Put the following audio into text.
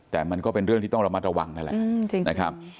แต่มันก็เป็นเรื่องที่ต้องระมัดระวังนั่นแหละนะครับ